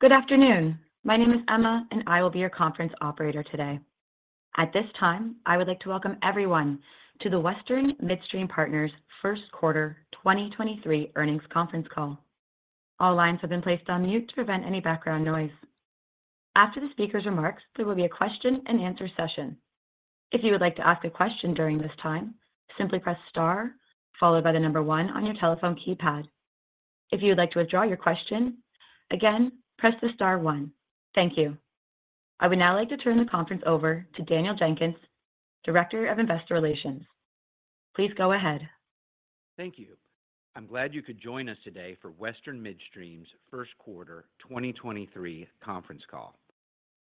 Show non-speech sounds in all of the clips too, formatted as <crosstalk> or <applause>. Good afternoon. My name is Emma, and I will be your conference operator today. At this time, I would like to welcome everyone to the Western Midstream Partners First Quarter 2023 Earnings Conference Call. All lines have been placed on mute to prevent any background noise. After the speaker's remarks, there will be a question-and-answer session. If you would like to ask a question during this time, simply press star followed by 1 on your telephone keypad. If you would like to withdraw your question, again, press the star one. Thank you. I would now like to turn the conference over to Daniel Jenkins, Director of Investor Relations. Please go ahead. Thank you. I'm glad you could join us today for Western Midstream's First Quarter 2023 Conference Call.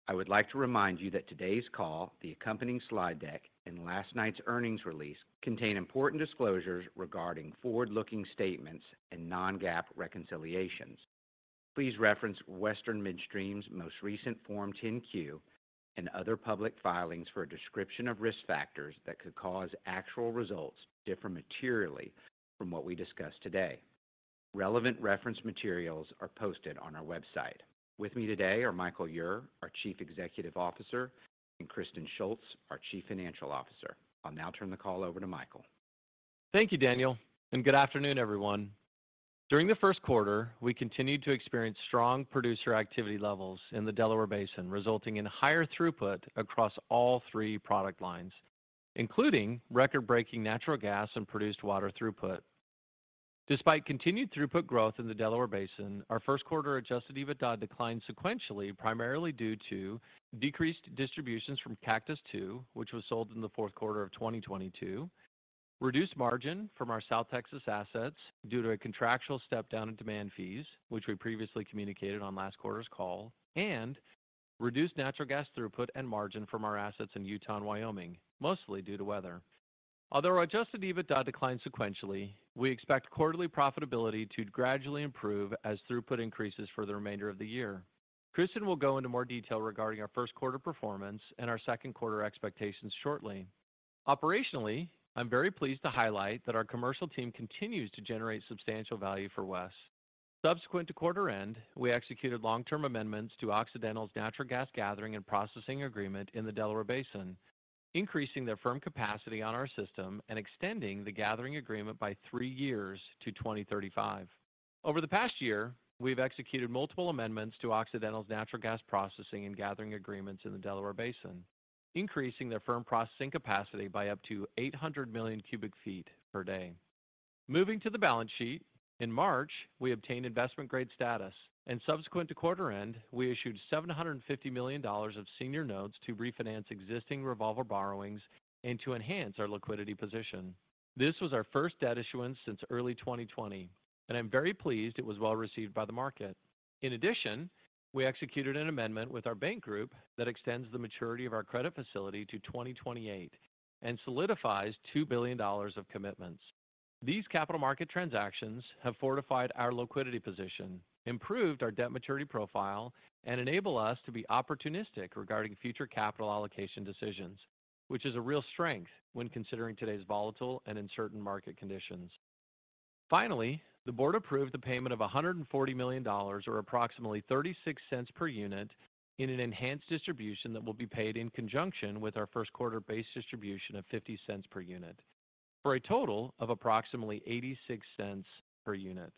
I would like to remind you that today's call, the accompanying slide deck and last night's earnings release contain important disclosures regarding forward-looking statements and non-GAAP reconciliations. Please reference Western Midstream's most recent Form 10-Q and other public filings for a description of risk factors that could cause actual results to differ materially from what we discuss today. Relevant reference materials are posted on our website. With me today are Michael Ure, our Chief Executive Officer, and Kristen Shults, our Chief Financial Officer. I'll now turn the call over to Michael. Thank you, Daniel, and good afternoon, everyone. During the 1st quarter, we continued to experience strong producer activity levels in the Delaware Basin, resulting in higher throughput across all three product lines, including record-breaking natural gas and produced water throughput. Despite continued throughput growth in the Delaware Basin, our 1st quarter Adjusted EBITDA declined sequentially, primarily due to decreased distributions from Cactus II, which was sold in the 4th quarter of 2022, reduced margin from our South Texas assets due to a contractual step down in demand fees, which we previously communicated on last quarter's call, and reduced natural gas throughput and margin from our assets in Utah and Wyoming, mostly due to weather. Although our Adjusted EBITDA declined sequentially, we expect quarterly profitability to gradually improve as throughput increases for the remainder of the year. Kristen will go into more detail regarding our 1st quarter performance and our 2nd quarter expectations shortly. Operationally, I'm very pleased to highlight that our commercial team continues to generate substantial value for WES. Subsequent to quarter end, we executed long-term amendments to Occidental's natural gas gathering and processing agreement in the Delaware Basin, increasing their firm capacity on our system and extending the gathering agreement by 3 years to 2035. Over the past year, we've executed multiple amendments to Occidental's natural gas processing and gathering agreements in the Delaware Basin, increasing their firm processing capacity by up to 800 million ft³ per day. Moving to the balance sheet, in March, we obtained investment grade status and subsequent to quarter end, we issued $750 million of senior notes to refinance existing revolver borrowings and to enhance our liquidity position. This was our 1st debt issuance since early 2020, and I'm very pleased it was well-received by the market. In addition, we executed an amendment with our bank group that extends the maturity of our credit facility to 2028 and solidifies $2 billion of commitments. These capital market transactions have fortified our liquidity position, improved our debt maturity profile, and enable us to be opportunistic regarding future capital allocation decisions, which is a real strength when considering today's volatile and uncertain market conditions. Finally, the board approved the payment of $140 million, or approximately $0.36 per unit in an enhanced distribution that will be paid in conjunction with our 1st quarter base distribution of $0.50 per unit, for a total of approximately $0.86 per unit.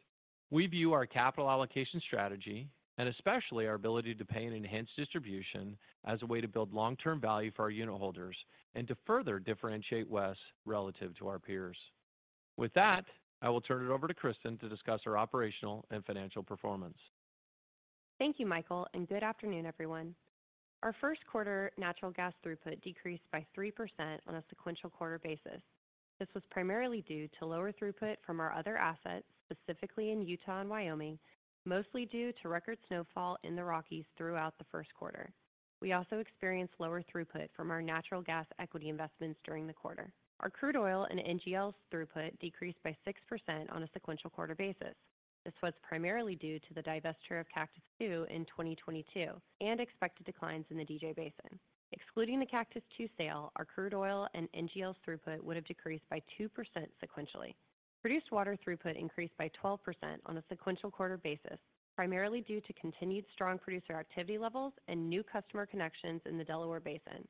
We view our capital allocation strategy, and especially our ability to pay an enhanced distribution as a way to build long-term value for our unitholders and to further differentiate WES relative to our peers. With that, I will turn it over to Kristen to discuss our operational and financial performance. Thank you, Michael, and good afternoon, everyone. Our 1st quarter natural gas throughput decreased by 3% on a sequential quarter basis. This was primarily due to lower throughput from our other assets, specifically in Utah and Wyoming, mostly due to record snowfall in the Rockies throughout the 1st quarter. We also experienced lower throughput from our natural gas equity investments during the quarter. Our crude oil and NGLs throughput decreased by 6% on a sequential quarter basis. This was primarily due to the divestiture of Cactus II in 2022 and expected declines in the DJ Basin. Excluding the Cactus II sale, our crude oil and NGL throughput would have decreased by 2% sequentially. Produced water throughput increased by 12% on a sequential quarter basis, primarily due to continued strong producer activity levels and new customer connections in the Delaware Basin.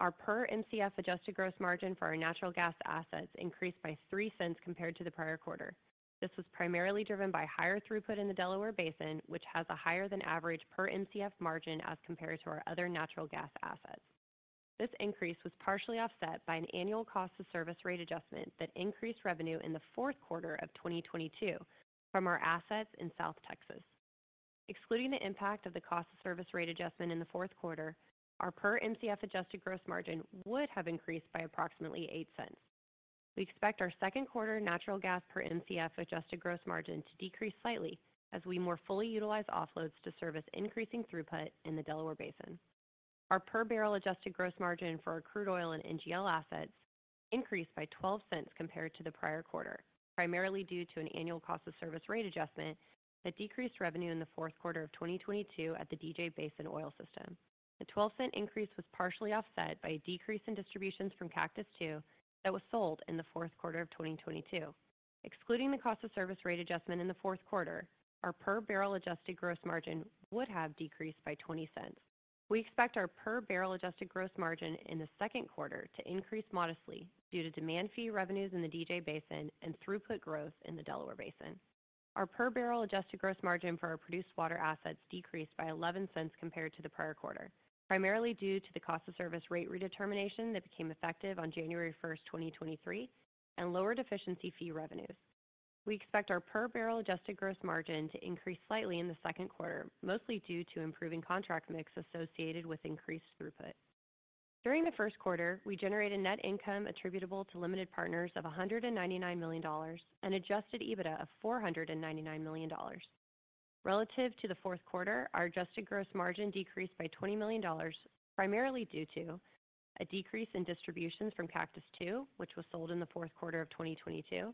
Our per MCF adjusted gross margin for our natural gas assets increased by $0.03 compared to the prior quarter. This was primarily driven by higher throughput in the Delaware Basin, which has a higher than average per MCF margin as compared to our other natural gas assets. This increase was partially offset by an annual cost of service rate adjustment that increased revenue in the 4th quarter of 2022 from our assets in South Texas. Excluding the impact of the cost of service rate adjustment in the 4th quarter, our per MCF adjusted gross margin would have increased by approximately $0.08. We expect our 2nd quarter natural gas per MCF adjusted gross margin to decrease slightly as we more fully utilize offloads to service increasing throughput in the Delaware Basin. Our per barrel Adjusted gross margin for our crude oil and NGL assets increased by $0.12 compared to the prior quarter, primarily due to an annual cost of service rate adjustment that decreased revenue in the 4th quarter of 2022 at the DJ Basin oil system. The $0.12 increase was partially offset by a decrease in distributions from Cactus II that was sold in the 4th quarter of 2022. Excluding the cost of service rate adjustment in the 4th quarter, our per barrel Adjusted gross margin would have decreased by $0.20. We expect our per barrel Adjusted gross margin in the 2nd quarter to increase modestly due to demand fee revenues in the DJ Basin and throughput growth in the Delaware Basin. Our per barrel adjusted gross margin for our produced water assets decreased by $0.11 compared to the prior quarter, primarily due to the cost of service rate redetermination that became effective on January 1st, 2023 and lower deficiency fee revenues. We expect our per barrel adjusted gross margin to increase slightly in the 2nd quarter, mostly due to improving contract mix associated with increased throughput. During the 1st quarter, we generated net income attributable to limited partners of $199 million and Adjusted EBITDA of $499 million. Relative to the 4th quarter, our adjusted gross margin decreased by $20 million, primarily due to a decrease in distributions from Cactus II, which was sold in the 4th quarter of 2022,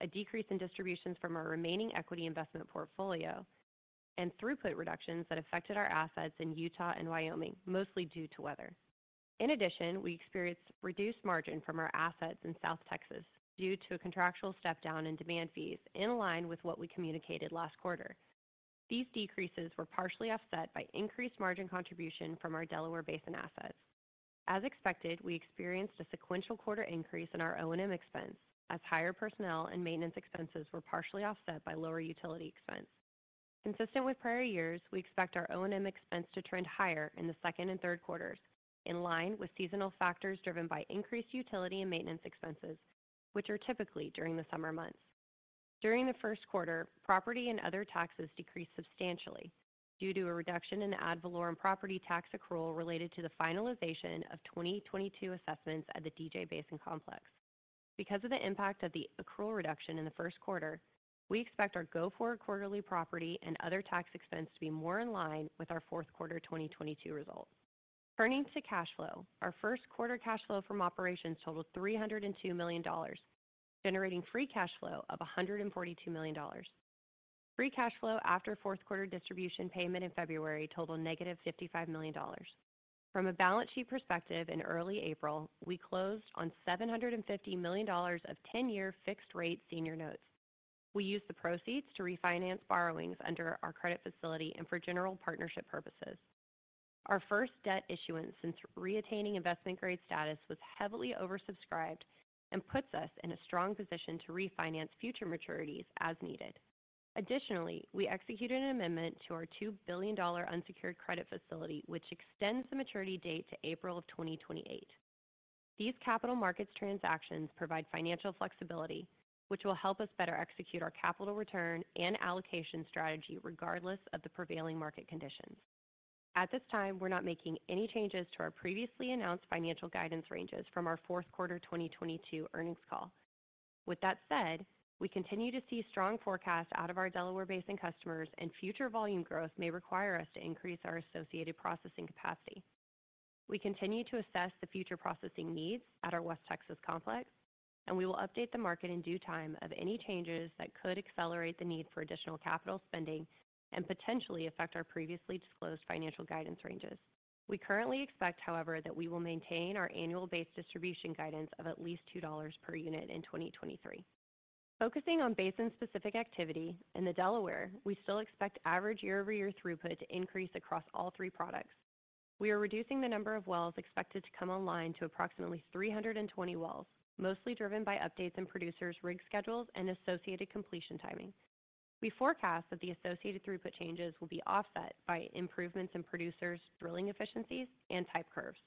a decrease in distributions from our remaining equity investment portfolio, and throughput reductions that affected our assets in Utah and Wyoming, mostly due to weather. In addition, we experienced reduced margin from our assets in South Texas due to a contractual step down in demand fees in line with what we communicated last quarter. These decreases were partially offset by increased margin contribution from our Delaware Basin assets. As expected, we experienced a sequential quarter increase in our O&M expense as higher personnel and maintenance expenses were partially offset by lower utility expense. Consistent with prior years, we expect our O&M expense to trend higher in the 2nd and 3rd quarters in line with seasonal factors driven by increased utility and maintenance expenses, which are typically during the summer months. During the 1st quarter, property and other taxes decreased substantially due to a reduction in ad valorem property tax accrual related to the finalization of 2022 assessments at the DJ Basin complex. Because of the impact of the accrual reduction in the 1st quarter, we expect our go forward quarterly property and other tax expense to be more in line with our 4th quarter 2022 results. Turning to cash flow, our 1st quarter cash flow from operations totaled $302 million, generating free cash flow of $142 million. Free cash flow after 4th quarter distribution payment in February totaled -$55 million. From a balance sheet perspective, in early April, we closed on $750 million of 10-year fixed rate senior notes. We used the proceeds to refinance borrowings under our credit facility and for general partnership purposes. Our 1st debt issuance since re-attaining investment grade was heavily oversubscribed and puts us in a strong position to refinance future maturities as needed. Additionally, we executed an amendment to our $2 billion unsecured credit facility, which extends the maturity date to April of 2028. These capital markets transactions provide financial flexibility, which will help us better execute our capital return and allocation strategy regardless of the prevailing market conditions. At this time, we're not making any changes to our previously announced financial guidance ranges from our 4th quarter 2022 earnings call. With that said, we continue to see strong forecast out of our Delaware basin customers, and future volume growth may require us to increase our associated processing capacity. We continue to assess the future processing needs at our West Texas complex, and we will update the market in due time of any changes that could accelerate the need for additional capital spending and potentially affect our previously disclosed financial guidance ranges. We currently expect, however, that we will maintain our annual base distribution guidance of at least $2 per unit in 2023. Focusing on basin-specific activity, in the Delaware, we still expect average year-over-year throughput to increase across all three products. We are reducing the number of wells expected to come online to approximately 320 wells, mostly driven by updates in producers' rig schedules and associated completion timing. We forecast that the associated throughput changes will be offset by improvements in producers' drilling efficiencies and type curves.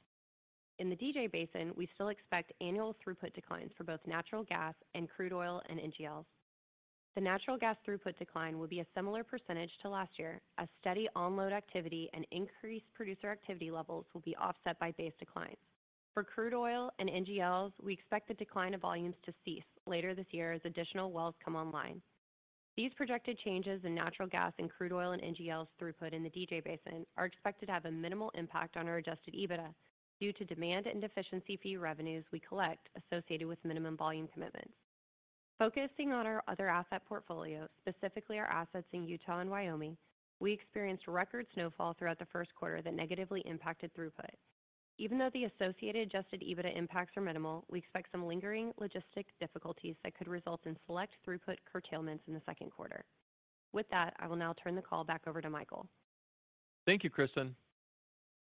In the DJ Basin, we still expect annual throughput declines for both natural gas and crude oil and NGLs. The natural gas throughput decline will be a similar percentage to last year as steady onload activity and increased producer activity levels will be offset by base declines. For crude oil and NGLs, we expect the decline of volumes to cease later this year as additional wells come online. These projected changes in natural gas and crude oil and NGLs throughput in the DJ Basin are expected to have a minimal impact on our Adjusted EBITDA due to demand and deficiency fee revenues we collect associated with minimum volume commitments. Focusing on our other asset portfolio, specifically our assets in Utah and Wyoming, we experienced record snowfall throughout the 1st quarter that negatively impacted throughput. Even though the associated Adjusted EBITDA impacts are minimal, we expect some lingering logistic difficulties that could result in select throughput curtailments in the 2nd quarter. With that, I will now turn the call back over to Michael. Thank you, Kristen.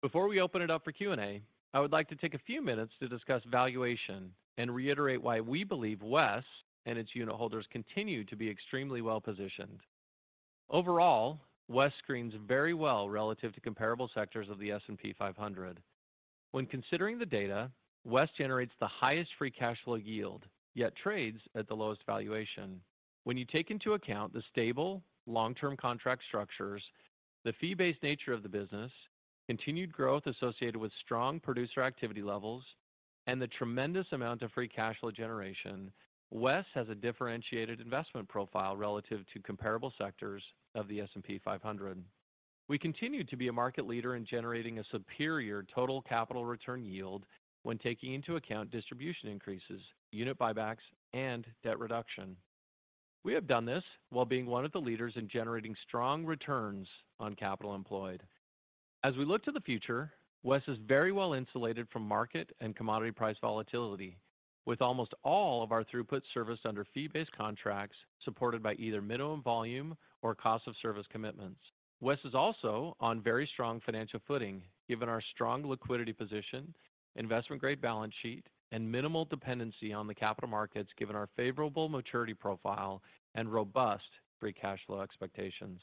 Before we open it up for Q&A, I would like to take a few minutes to discuss valuation and reiterate why we believe WES and its unitholders continue to be extremely well positioned. Overall, WES screens very well relative to comparable sectors of the S&P 500. When considering the data, WES generates the highest free cash flow yield, yet trades at the lowest valuation. When you take into account the stable long-term contract structures, the fee-based nature of the business, continued growth associated with strong producer activity levels, and the tremendous amount of free cash flow generation, WES has a differentiated investment profile relative to comparable sectors of the S&P 500. We continue to be a market leader in generating a superior total capital return yield when taking into account distribution increases, unit buybacks, and debt reduction. We have done this while being one of the leaders in generating strong returns on capital employed. As we look to the future, WES is very well insulated from market and commodity price volatility. With almost all of our throughput service under fee-based contracts supported by either minimum volume or cost of service commitments. Western Midstream is also on very strong financial footing given our strong liquidity position, investment-grade balance sheet, and minimal dependency on the capital markets given our favorable maturity profile and robust free cash flow expectations.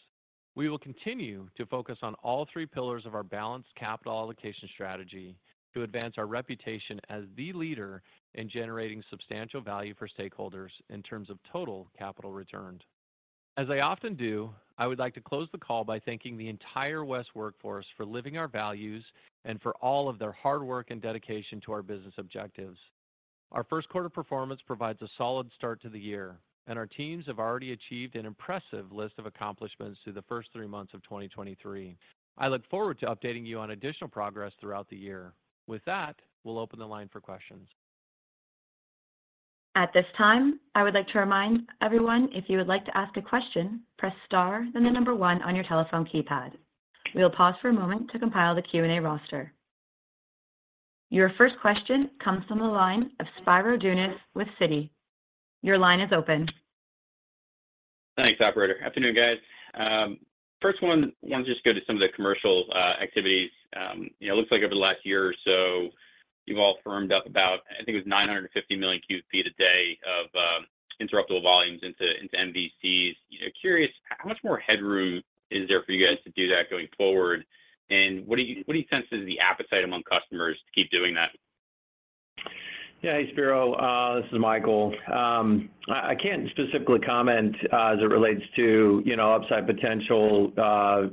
We will continue to focus on all three pillars of our balanced capital allocation strategy to advance our reputation as the leader in generating substantial value for stakeholders in terms of total capital returned. As I often do, I would like to close the call by thanking the entire West workforce for living our values and for all of their hard work and dedication to our business objectives. Our 1st quarter performance provides a solid start to the year. Our teams have already achieved an impressive list of accomplishments through the 1st three months of 2023. I look forward to updating you on additional progress throughout the year. With that, we'll open the line for questions. At this time, I would like to remind everyone if you would like to ask a question, press star, then the number 1 on your telephone keypad. We'll pause for a moment to compile the Q&A roster. Your 1st question comes from the line of Spiro Dounis with Citi. Your line is open. Thanks, operator. Afternoon, guys. First one, want to just go to some of the commercial activities. You know, looks like over the last year or so, you've all firmed up about, I think it was 950 million ft³ a day of interruptible volumes into MVCs. You know, curious, how much more headroom is there for you guys to do that going forward? What do you, what do you sense is the appetite among customers to keep doing that? Yeah. Hey, Spiro. This is Michael. I can't specifically comment as it relates to, you know, upside potential,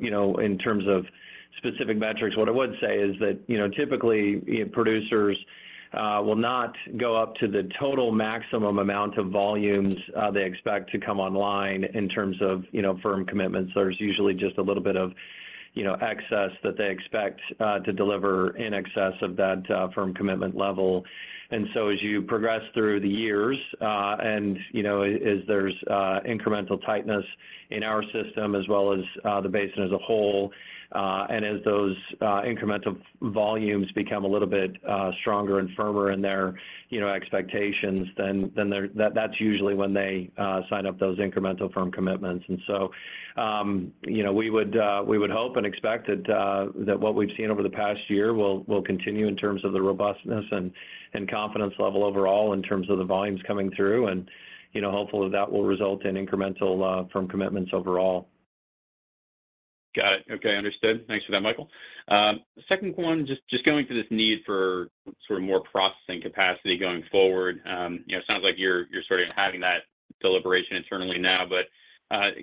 you know, in terms of specific metrics. What I would say is that, you know, typically producers will not go up to the total maximum amount of volumes they expect to come online in terms of, you know, firm commitments. There's usually just a little bit of, you know, excess that they expect to deliver in excess of that firm commitment level. As you progress through the years, and, you know, as there's incremental tightness in our system as well as the basin as a whole, and as those incremental volumes become a little bit stronger and firmer in their, you know, expectations, that's usually when they sign up those incremental firm commitments. You know, we would hope and expect that what we've seen over the past year will continue in terms of the robustness and confidence level overall in terms of the volumes coming through. You know, hopeful that will result in incremental firm commitments overall. Got it. Okay. Understood. Thanks for that, Michael. Second one, just going through this need for sort of more processing capacity going forward. You know, sounds like you're sort of having that deliberation internally now,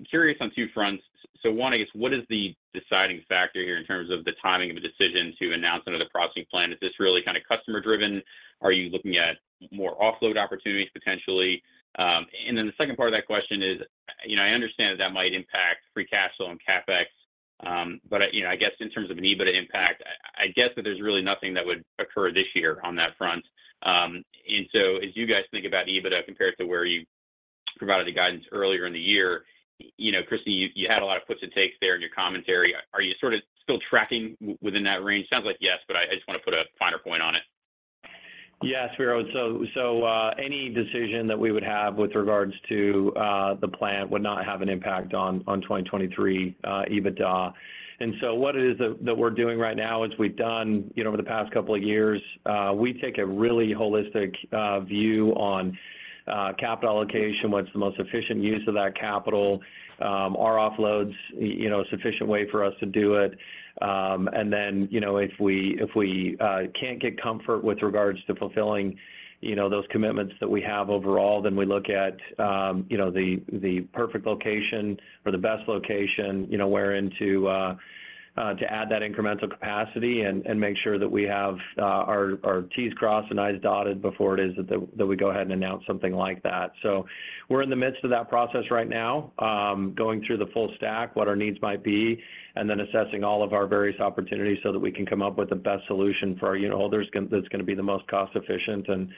curious on two fronts. One, I guess, what is the deciding factor here in terms of the timing of a decision to announce another processing plant? Is this really kind of customer driven? Are you looking at more offload opportunities potentially? The 2nd part of that question is, you know, I understand that might impact free cash flow and CapEx, you know, I guess in terms of an EBITDA impact, I guess that there's really nothing that would occur this year on that front. As you guys think about EBITDA compared to where you provided the guidance earlier in the year, you know, Christy, you had a lot of puts and takes there in your commentary. Are you sort of still tracking within that range? Sounds like yes, but I just want to put a finer point on it. Yeah, Spiro. Any decision that we would have with regards to the plant would not have an impact on 2023 EBITDA. What it is we're doing right now, as we've done, you know, over the past couple of years, we take a really holistic view on capital allocation. What's the most efficient use of that capital? Are offloads, you know, a sufficient way for us to do it? You know, if we can't get comfort with regards to fulfilling, you know, those commitments that we have overall, then we look at, you know, the perfect location or the best location, you know, wherein to add that incremental capacity and make sure that we have our T's crossed and I's dotted before it is that we go ahead and announce something like that. We're in the midst of that process right now, going through the full stack, what our needs might be, and then assessing all of our various opportunities so that we can come up with the best solution for our unitholders that's going to be the most cost efficient and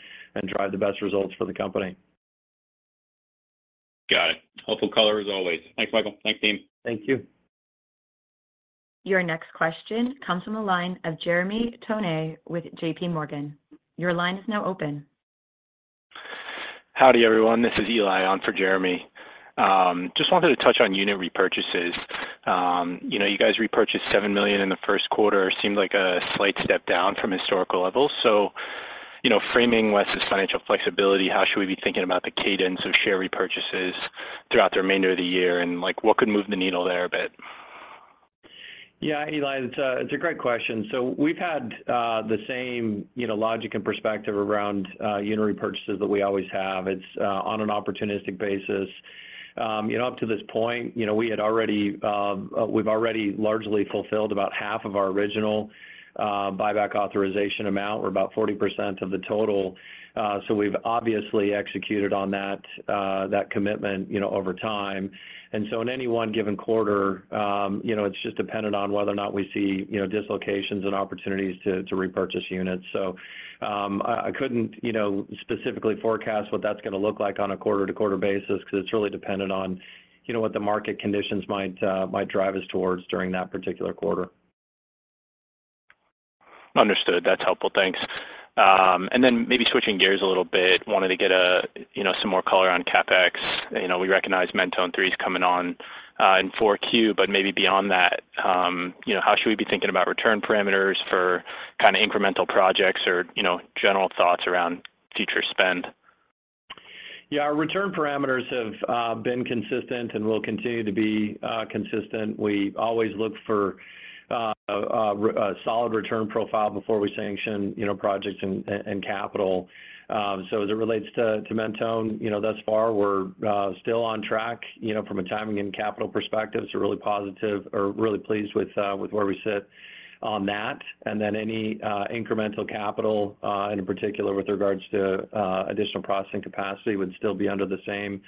drive the best results for the company. Got it. Helpful color as always. Thanks, Michael. Thanks, team. Thank you. Your next question comes from the line of Jeremy Tonet with J.P. Morgan. Your line is now open. Howdy, everyone. This is Eli on for Jeremy. just wanted to touch on unit repurchases. you know, you guys repurchased $7 million in the 1st quarter. Seemed like a slight step down from historical levels. You know, framing less as financial flexibility, how should we be thinking about the cadence of share repurchases throughout the remainder of the year, and, like, what could move the needle there a bit? Yeah, Eli, it's a great question. We've had the same, you know, logic and perspective around unit repurchases that we always have. It's on an opportunistic basis. You know, up to this point, you know, we've already largely fulfilled about half of our original buyback authorization amount or about 40% of the total. We've obviously executed on that commitment, you know, over time. In any one given quarter, you know, it's just dependent on whether or not we see, you know, dislocations and opportunities to repurchase units. I couldn't, you know, specifically forecast what that's going to look like on a quarter-to-quarter basis because it's really dependent on, you know, what the market conditions might drive us towards during that particular quarter. Understood. That's helpful. Thanks. Maybe switching gears a little bit, wanted to get a, you know, some more color on CapEx. You know, we recognize Mentone Train III is coming on in 4Q. Maybe beyond that, you know, how should we be thinking about return parameters for kinda incremental projects or, you know, general thoughts around future spend? Yeah. Our return parameters have been consistent and will continue to be consistent. We always look for a solid return profile before we sanction, you know, projects and capital. As it relates to Mentone, you know, thus far we're still on track. You know, from a timing and capital perspective, it's a really positive or really pleased with where we sit on that. Any incremental capital, and in particular with regards to additional processing capacity would still be under the same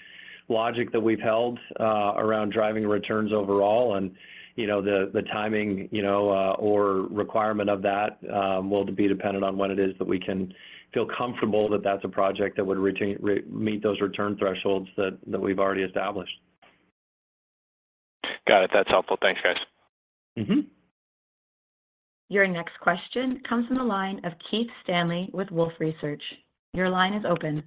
logic that we've held around driving returns overall and, you know, the timing, you know, or requirement of that will be dependent on when it is that we can feel comfortable that that's a project that would meet those return thresholds that we've already established. Got it. That's helpful. Thanks, guys. Mm-hmm. Your next question comes from the line of Keith Stanley with Wolfe Research. Your line is open.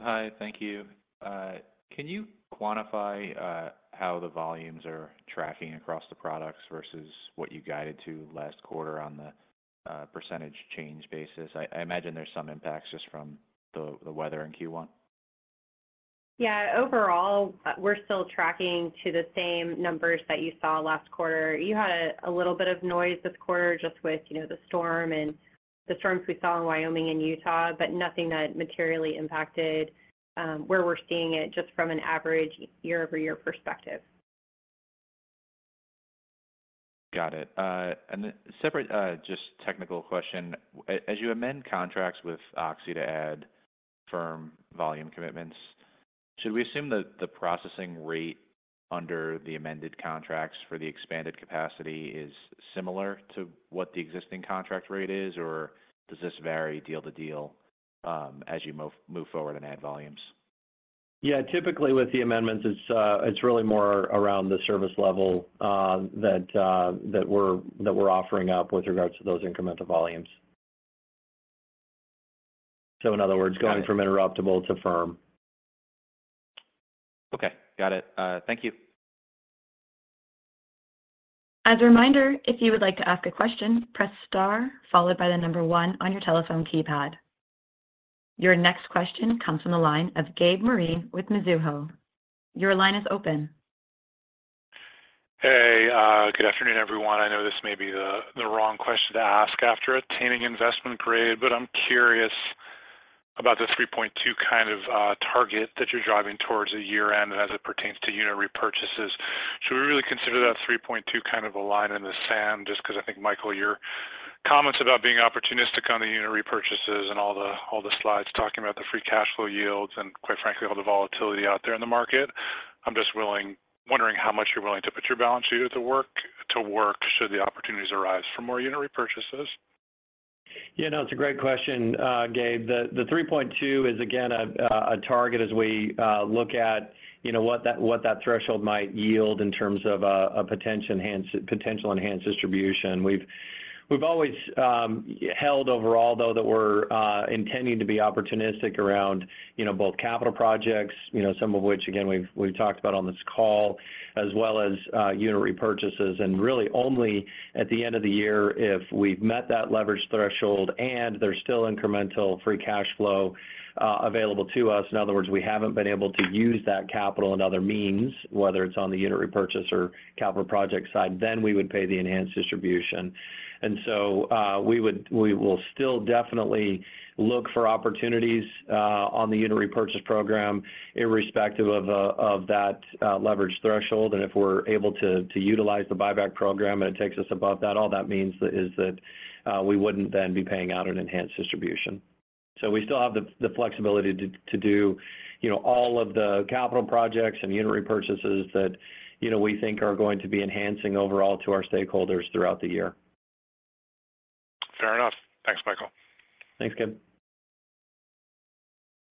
Hi. Thank you. Can you quantify how the volumes are tracking across the products versus what you guided to last quarter on the percentage change basis? I imagine there's some impacts just from the weather in Q1. Yeah. Overall, we're still tracking to the same numbers that you saw last quarter. You had a little bit of noise this quarter just with, you know, the storm and the storms we saw in Wyoming and Utah, but nothing that materially impacted where we're seeing it just from an average year-over-year perspective. Got it. Separate, just technical question. As you amend contracts with Oxy to add firm volume commitments, should we assume that the processing rate under the amended contracts for the expanded capacity is similar to what the existing contract rate is, or does this vary deal to deal as you move forward and add volumes? Yeah. Typically, with the amendments it's really more around the service level that we're offering up with regards to those incremental volumes. In other words. <crosstalk> going from interruptible to firm. Okay. Got it. Thank you. As a reminder, if you would like to ask a question, press star followed by 1 on your telephone keypad. Your next question comes from the line of Gabriel Moreen with Mizuho. Your line is open. Hey. Good afternoon, everyone. I know this may be the wrong question to ask after attaining investment grade. I'm curious about the 3.2 kind of target that you're driving towards at year-end as it pertains to unit repurchases. Should we really consider that 3.2 kind of a line in the sand, just 'cause I think, Michael, your comments about being opportunistic on the unit repurchases and all the slides talking about the free cash flow yields and, quite frankly, all the volatility out there in the market. I'm just wondering how much you're willing to put your balance sheet to work should the opportunities arise for more unit repurchases? You know, it's a great question, Gabe. The 3.2 is again a target as we look at, you know, what that threshold might yield in terms of a potential enhanced distribution. We've always held overall though that we're intending to be opportunistic around, you know, both capital projects, you know, some of which again we've talked about on this call, as well as unit repurchases. Really only at the end of the year if we've met that leverage threshold and there's still incremental free cash flow available to us, in other words, we haven't been able to use that capital in other means, whether it's on the unit repurchase or capital project side, then we would pay the enhanced distribution. We will still definitely look for opportunities on the unit repurchase program irrespective of that leverage threshold. If we're able to utilize the buyback program and it takes us above that, all that means is that we wouldn't then be paying out an enhanced distribution. We still have the flexibility to do, you know, all of the capital projects and unit repurchases that, you know, we think are going to be enhancing overall to our stakeholders throughout the year. Fair enough. Thanks, Michael. Thanks, Gabe.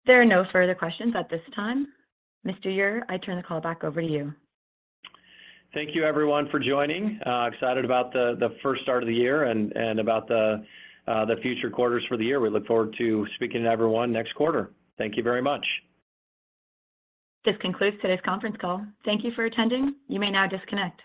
There are no further questions at this time. Mr. Ure, I turn the call back over to you. Thank you everyone for joining. Excited about the 1st start of the year and about the future quarters for the year. We look forward to speaking to everyone next quarter. Thank you very much. This concludes today's conference call. Thank you for attending. You may now disconnect.